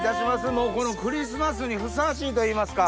もうこのクリスマスにふさわしいといいますか。